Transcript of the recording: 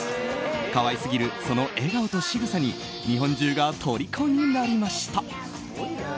可愛すぎるその笑顔としぐさに日本中がとりこになりました。